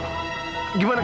kamu bisa lihat fadil